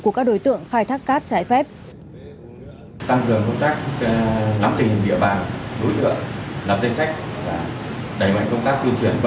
của các đối tượng khai thác cát trái phép